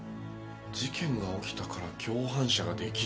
事件が起きたから共犯者が出来る。